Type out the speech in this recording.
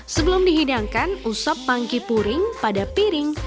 sebelum dihidangkan usap pangki puring pada piring